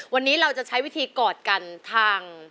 วันนี้เราจะใช้วิธีกอดกันทาง